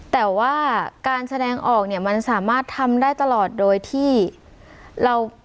แต่ว่าการแสดงออกเนี่ยมันสามารถทำได้ตลอดโดยที่เรา